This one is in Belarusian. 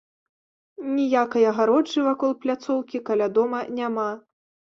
Ніякай агароджы вакол пляцоўкі каля дома няма.